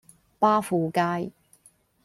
巴富街